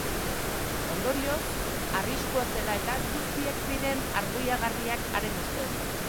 Ondorioz, arriskua zela eta, guztiak ziren arbuiagarriak haren ustez.